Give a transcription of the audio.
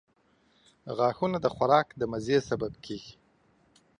• غاښونه د خوراک د مزې سبب کیږي.